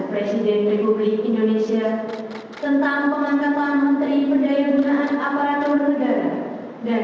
presiden republik indonesia nomor sembilan puluh satu b tahun dua ribu dua puluh dua